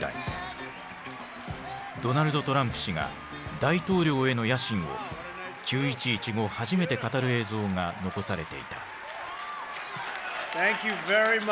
ドナルド・トランプ氏が大統領への野心を９．１１後初めて語る映像が残されていた。